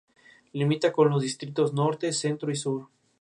Viajó por el país observando particularmente la fauna ornitológica.